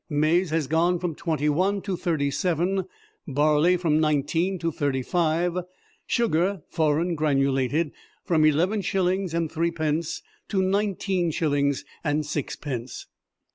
Maize has gone from twenty one to thirty seven, barley from nineteen to thirty five, sugar (foreign granulated) from eleven shillings and threepence to nineteen shillings and sixpence."